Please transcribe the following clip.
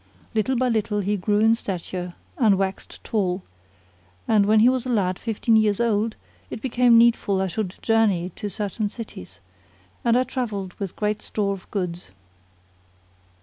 Little by little he grew in stature and waxed tall; and when he was a lad fifteen years old, it became needful I should journey to certain cities and I travelled with great store of goods.